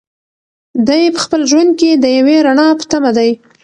دی په خپل ژوند کې د یوې رڼا په تمه دی.